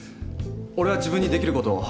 俺は自分にできることを。